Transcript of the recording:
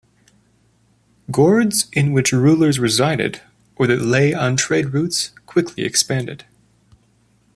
Gords in which rulers resided or that lay on trade routes quickly expanded.